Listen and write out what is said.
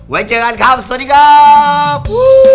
ไว้เจอกันครับสวัสดีครับ